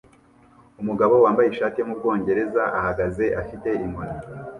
Umugabo wambaye ishati yo mubwongereza ahagaze afite inkoni